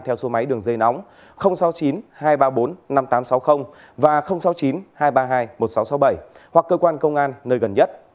theo số máy đường dây nóng sáu mươi chín hai trăm ba mươi bốn năm nghìn tám trăm sáu mươi và sáu mươi chín hai trăm ba mươi hai một nghìn sáu trăm sáu mươi bảy hoặc cơ quan công an nơi gần nhất